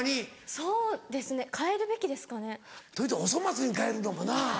そうですね変えるべきですかね？というておそ松に変えるのもなぁ。